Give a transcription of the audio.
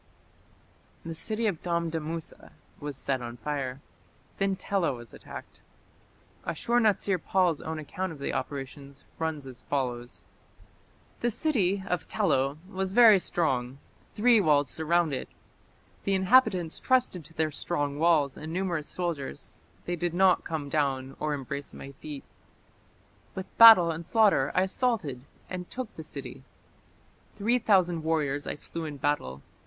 The city of Damdamusa was set on fire. Then Tela was attacked. Ashur natsir pal's own account of the operations runs as follows: The city (of Tello) was very strong; three walls surrounded it. The inhabitants trusted to their strong walls and numerous soldiers; they did not come down or embrace my feet. With battle and slaughter I assaulted and took the city. Three thousand warriors I slew in battle.